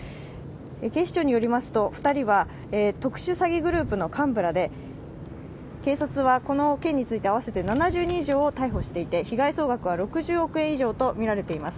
警視庁によりますと、２人は特殊詐欺グループの幹部らで警察はこの件について既に７０人以上逮捕していて被害総額は６０億円以上とみられています。